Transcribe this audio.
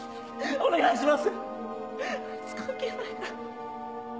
お願いします！